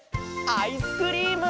アイスクリーム！